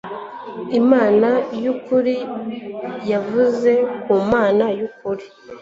imana y'ukuri yavuye ku mana y'ukuri